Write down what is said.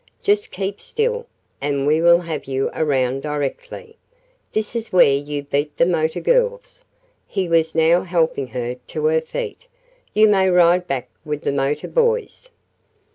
"Just keep still, and we will have you around directly. This is where you beat the motor girls." He was now helping her to her feet. "You may ride back with the motor boys."